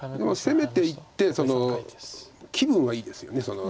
攻めていって気分はいいですよね。